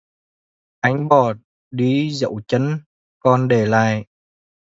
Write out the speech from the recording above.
Anh bỏ đi dấu chân còn để lại